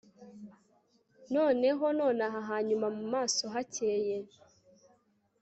Noneho nonaha hanyuma mu maso hakeye